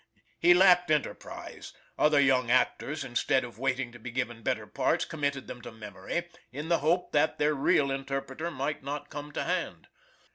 He lacked enterprise; other young actors, instead of waiting to be given better parts, committed them to memory, in the hope that their real interpreter might not come to hand.